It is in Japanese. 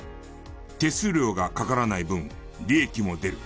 手数料がかからない分利益も出る。